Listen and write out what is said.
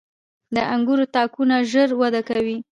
• د انګورو تاکونه ژر وده کوي.